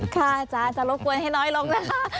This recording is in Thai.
ค่ะอาจารย์จะรบกวนให้น้อยลงนะคะ